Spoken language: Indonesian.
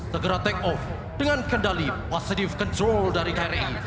segera take off dengan kendali positive control dari kri